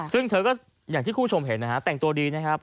ซึ่งเธอก็อย่างที่คุณผู้ชมเห็นนะฮะแต่งตัวดีนะครับ